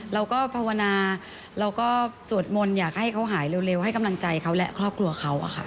เราก็ภาวนาเราก็สวดมนต์อยากให้เขาหายเร็วให้กำลังใจเขาและครอบครัวเขาอะค่ะ